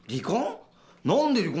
離婚！？